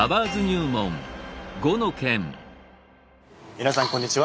皆さんこんにちは。